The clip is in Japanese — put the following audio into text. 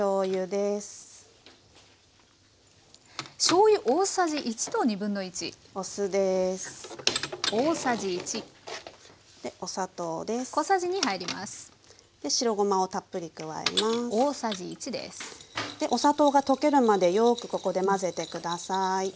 でお砂糖が溶けるまでよくここで混ぜて下さい。